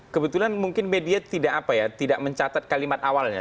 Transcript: kebetulan mungkin media tidak apa ya tidak mencatat kalimat awalnya